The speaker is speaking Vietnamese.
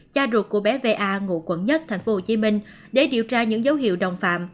cha ruột của bé va ngụ quận một tp hcm để điều tra những dấu hiệu đồng phạm